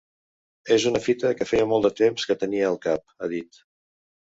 És una fita que feia molt de temps que tenia al cap, ha dit.